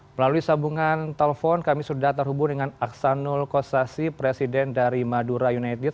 melalui sambungan telepon kami sudah terhubung dengan aksanul kossasi presiden dari madura united